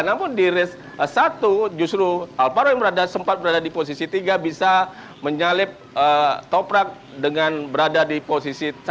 namun di race satu justru alvaro yang sempat berada di posisi tiga bisa menyalip toprak dengan berada di posisi satu